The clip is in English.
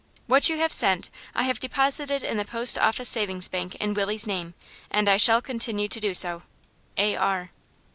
What you have sent I have deposited in the Post Office Savings' Bank in Willie's name, and I shall continue to do so. A.R.